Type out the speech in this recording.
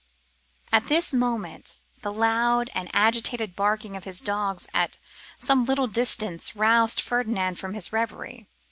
At this moment the loud and agitated barking of his dogs at some little distance roused Ferdinand from his reverie.